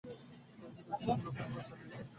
তিনি পৃথিবীসুদ্ধ লোকের উপর চটিয়া উঠিলেন।